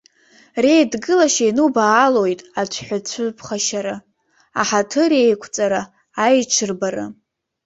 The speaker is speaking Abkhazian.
Реидгылашьа ианубаалоит ацәшәацәыԥхашьара, аҳаҭыреиқәҵара, аиҽырбара.